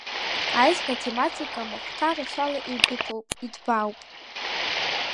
Аизга атематика махәҭа рацәала еибыҭоуп, иҭбаауп.